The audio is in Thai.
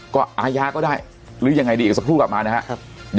ก็อาญาก็ได้หรือยังไงดีอีกสักครู่กลับมานะครับ